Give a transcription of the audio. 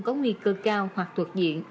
có nguy cơ cao hoặc thuộc diện